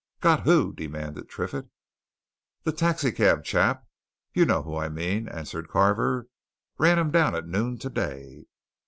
"Got who?" demanded Triffitt. "That taxi cab chap you know who I mean," answered Carver. "Ran him down at noon today."